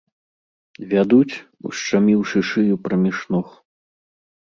Вядуць, ушчаміўшы шыю праміж ног.